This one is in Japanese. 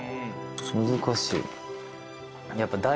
難しい。